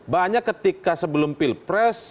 banyak ketika sebelum pilpres